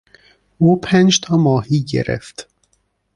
او پنج تا ماهی گرفت.